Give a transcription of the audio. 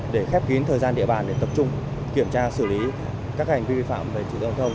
để khép kín thời gian địa bàn để tập trung kiểm tra xử lý các hành vi vi phạm về giao thông